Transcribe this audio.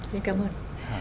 xin cảm ơn